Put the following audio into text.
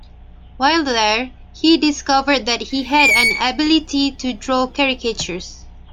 While there, he discovered that he had an ability to draw caricatures.